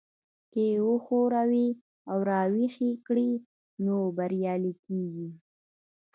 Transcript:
که يې وښوروئ او را ويښ يې کړئ نو بريالي کېږئ.